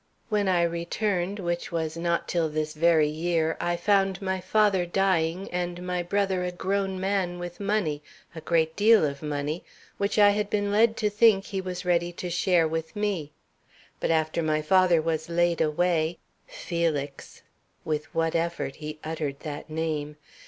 When I returned, which was not till this very year, I found my father dying, and my brother a grown man with money a great deal of money which I had been led to think he was ready to share with me. But after my father was laid away, Felix" (with what effort he uttered that name!)